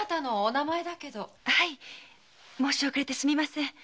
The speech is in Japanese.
申し遅れてすみません。